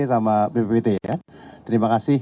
sama bppt ya terima kasih